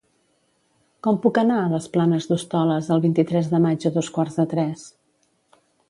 Com puc anar a les Planes d'Hostoles el vint-i-tres de maig a dos quarts de tres?